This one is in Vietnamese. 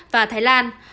và thái lan